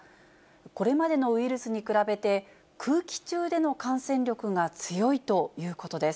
これまでのウイルスに比べて、空気中での感染力が強いということです。